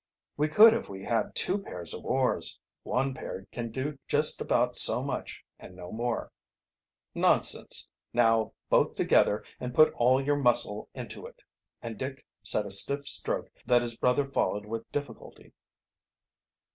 "We could if we had two pairs of oars. One pair can do just about so much and no more." "Nonsense! Now, both together, and put all your muscle into it," and Dick set a stiff stroke that his brother followed with difficulty.